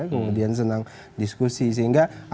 kemudian senang diskusi sehingga